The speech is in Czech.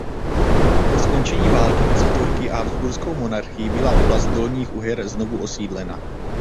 Po skončení války mezi Turky a Habsburskou monarchií byla oblast Dolních uher znovu osídlena.